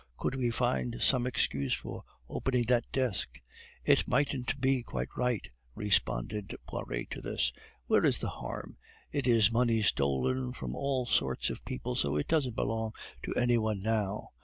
"Could we find some excuse for opening that desk?" "It mightn't be quite right," responded Poiret to this. "Where is the harm? It is money stolen from all sorts of people, so it doesn't belong to any one now.